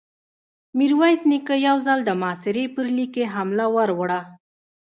ميرويس نيکه يو ځل د محاصرې پر ليکې حمله ور وړه.